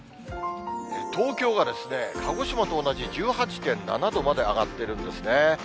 東京が鹿児島と同じ１８．７度まで上がってるんですね。